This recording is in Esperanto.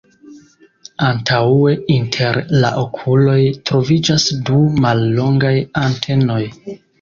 Antaŭe inter la okuloj troviĝas du mallongaj antenoj.